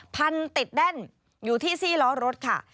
พันติดแน่นอยู่ที่ซี่ล้อรถค่ะ